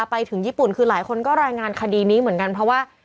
ไปถึงญี่ปุ่นคือหลายคนก็รายงานคดีนี้เหมือนกันเพราะว่า